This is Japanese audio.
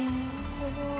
すごい。